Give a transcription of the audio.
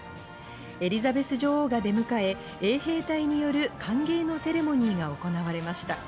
エリザベス女王が出迎え、衛兵隊による歓迎のセレモニーが行われました。